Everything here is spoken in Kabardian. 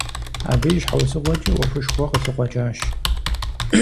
Абы и щхьэусыгъуэкӀи Ӏуэхушхуэ къылъыкъуэкӀащ.